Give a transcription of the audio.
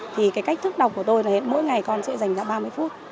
thì cái cách thức đọc của tôi là mỗi ngày con sẽ dành ra ba mươi phút